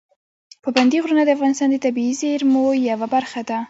پابندي غرونه د افغانستان د طبیعي زیرمو یوه برخه ده.